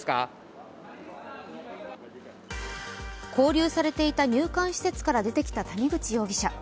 勾留されていた入管施設から出てきた谷口容疑者。